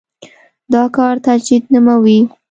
دا کار تجدید نوموي.